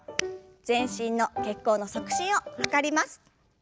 全身の血行の促進を図ります。